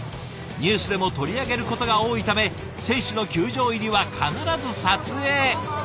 ニュースでも取り上げることが多いため選手の球場入りは必ず撮影。